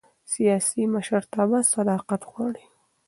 سیاسي مشرتابه صداقت غواړي